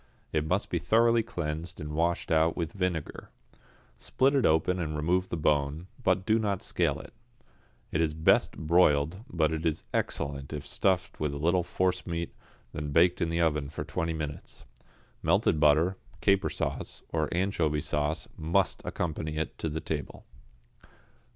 It must be thoroughly cleansed and washed out with vinegar. Split it open and remove the bone, but do not scale it. It is best broiled, but is excellent if stuffed with a little forcemeat, then baked in the oven for twenty minutes. Melted butter, caper sauce, or anchovy sauce, must accompany it to table.